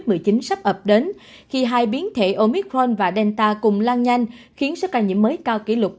covid một mươi chín sắp ập đến khi hai biến thể omicron và delta cùng lan nhanh khiến số ca nhiễm mới cao kỷ lục